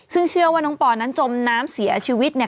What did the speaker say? ซึ่งเชื่อว่าน้องปอนั้นจมน้ำเสียชีวิตเนี่ย